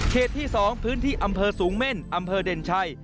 ที่๒พื้นที่อำเภอสูงเม่นอำเภอเด่นชัย